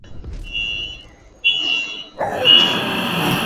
多花溲疏为虎耳草科溲疏属下的一个变种。